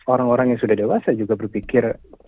orang orang yang sudah dewasa juga berpikir